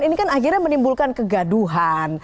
ini kan akhirnya menimbulkan kegaduhan